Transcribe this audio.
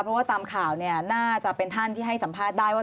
เพราะว่าตามข่าวเนี่ยน่าจะเป็นท่านที่ให้สัมภาษณ์ได้ว่า